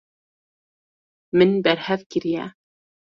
Min berhev kiriye.